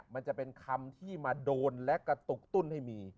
มันจะเป็นคำที่มาโดนและกระตุกตุ้นให้มี